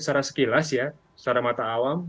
secara sekilas ya secara mata awam